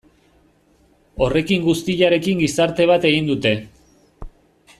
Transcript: Horrekin guztiarekin gizarte bat egin dute.